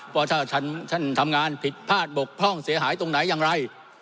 ว่าถ้าท่านทำงานผิดพลาดบกพร่องเสียหายตรงไหนอย่างไร